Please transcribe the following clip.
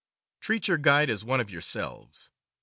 Treat your guide as one of yourselves.